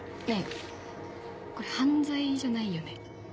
ねぇこれ犯罪じゃないよね？